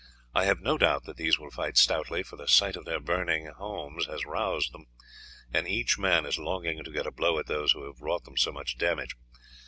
I have no doubt that these will fight stoutly, for the sight of their burning homes has roused them, and each man is longing to get a blow at those who have wrought them so much damage.